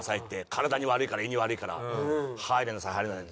「体に悪いから胃に悪いから歯入れなさい歯入れなさい」